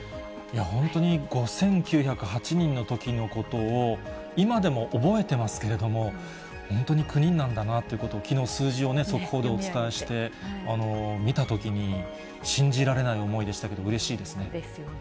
本当に５９０８人のときのことを、今でも覚えてますけれども、本当に９人なんだなということを、きのう数字をね、速報でお伝えして、見たときに信じられない思いでしたけれども、うれしいですね。